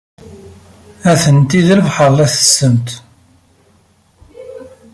Atenti deg lbaṛ, la ttessent.